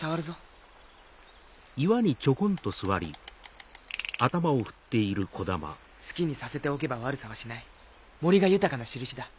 カタカタカタ好きにさせておけば悪さはしない森が豊かな印だ。